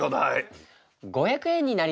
５００円になります。